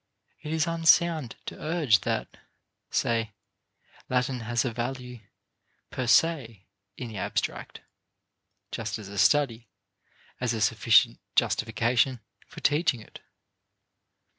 It is unsound to urge that, say, Latin has a value per se in the abstract, just as a study, as a sufficient justification for teaching it.